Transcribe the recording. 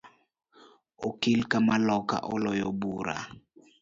Okil kamaloka oloyo bura